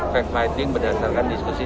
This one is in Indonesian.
fact fighting berdasarkan diskusi